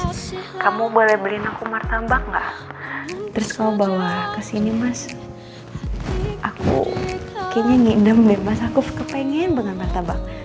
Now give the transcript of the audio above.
aku kayaknya ngidam deh mas aku kepengen banget martabak